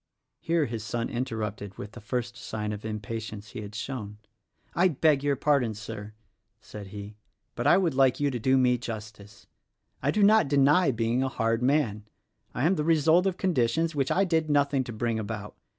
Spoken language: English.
Here his son interrupted with the first sign of impa tience he had shown. "I beg your pardon, Sir," said he, "but I would like you to do me justice. I do not deny being a hard man. I am the result of conditions which I did nothing to bring about.